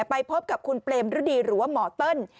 ไปพบกับคุณเปรมฤดีหรือว่าหมอเติ้ล